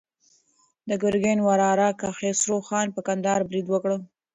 د ګرګین وراره کیخسرو خان پر کندهار برید وکړ.